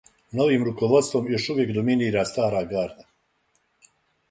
Новим руководством још увек доминира стара гарда.